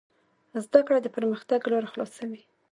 زده کړه د پرمختګ لاره خلاصوي.